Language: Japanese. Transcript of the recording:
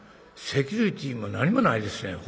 「セキュリティーも何もないですね」。